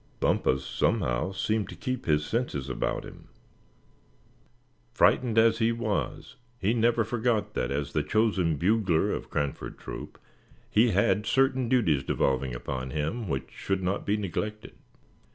Bumpus somehow seemed to keep his senses about him. Frightened as he was, he never forgot that, as the chosen bugler of Cranford Troop, he had certain duties devolving upon him which should not be neglected.